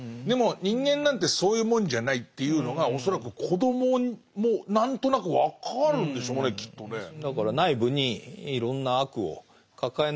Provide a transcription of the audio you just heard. でも人間なんてそういうもんじゃないっていうのが恐らく子どもも何となく分かるんでしょうねきっとね。